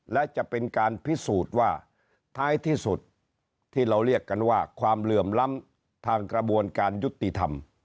และจะเป็นการพิสูจน์ว่าท้ายที่สุดที่เราเรียกกันว่าความเหลื่อมล้ำทางกระบวนการยุติธรรม